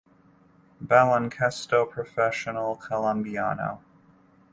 Baloncesto Profesional Colombiano